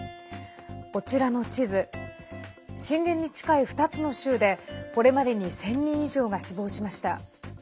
こちらの地図震源に近い２つの州でこれまでに１０００人以上が死亡しました。